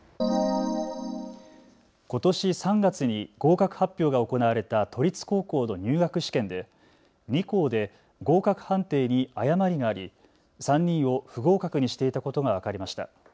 ことし３月に合格発表が行われた都立高校の入学試験で２校で合格判定に誤りがあり３人を不合格にしていたことが分かりました。